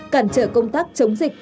cản trở công tác chống dịch